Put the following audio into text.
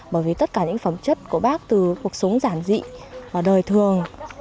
bởi vì tất cả những phẩm chất của bác từ cuộc sống giản dị và đời thường